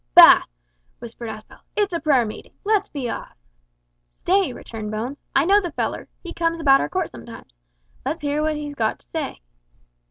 "Bah!" whispered Aspel, "it's a prayer meeting. Let's be off." "Stay," returned Bones. "I know the feller. He comes about our court sometimes. Let's hear what he's got to say."